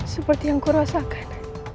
seperti yang ku rasakan